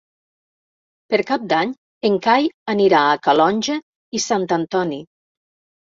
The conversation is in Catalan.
Per Cap d'Any en Cai anirà a Calonge i Sant Antoni.